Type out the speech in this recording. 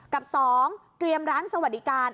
กับ๒เตรียมร้านสวัสดิการ